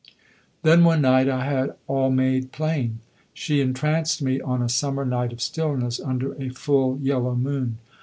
Then one night I had all made plain. She entranced me on a summer night of stillness, under a full yellow moon.